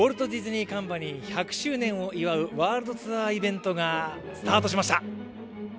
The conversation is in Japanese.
ディズニー１００周年を祝うワールドツアーイベントがスタートしました。